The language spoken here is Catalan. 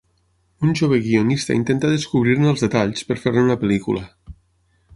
Un jove guionista intenta descobrir-ne els detalls per fer-ne una pel·lícula.